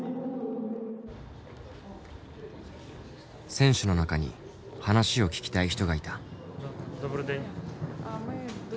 選手の中に話を聞きたい人がいた。